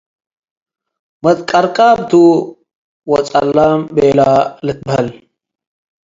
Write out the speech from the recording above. መትቀራቃብ ቱ ወጸላም ቤለ ልትበሀል፣